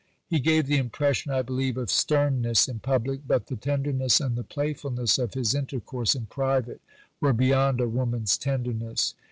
He gave the impression, I believe, of sternness in public, but the tenderness and the playfulness of his intercourse in private were beyond a woman's tenderness.